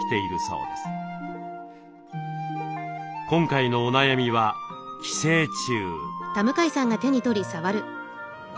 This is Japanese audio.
今回のお悩みは寄生虫。